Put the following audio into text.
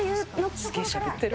すげぇしゃべってる。